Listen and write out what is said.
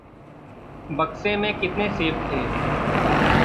बक्से में कितने सेब थे?